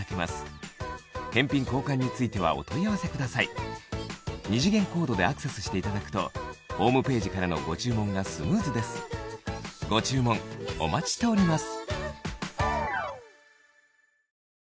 オールシーズン使える二次元コードでアクセスしていただくとホームページからのご注文がスムーズですご注文お待ちしております